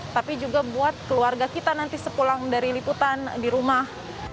tapi juga buat keluarga kita nanti sepulang dari liputan di rumah